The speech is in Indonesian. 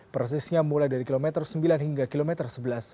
persisnya mulai dari kilometer sembilan hingga kilometer sebelas